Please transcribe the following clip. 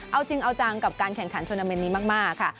เอาจริงเอาจังกับการแข่งขันโทรนาเมนต์นี้มากค่ะ